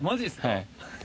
はい